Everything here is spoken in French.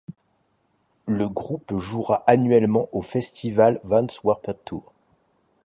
Le groupe jouera annuellement au festival Vans Warped Tour.